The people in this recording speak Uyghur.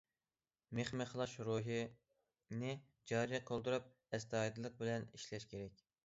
مىخ مىخلاش روھىنى جارى قىلدۇرۇپ، ئەستايىدىللىق بىلەن ئىشلەش كېرەك.